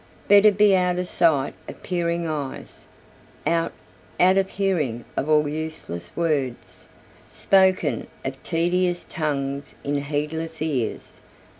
Better be out of sight of peering eyes; Out out of hearing of all useless words, Spoken of tedious tongues in heedless ears.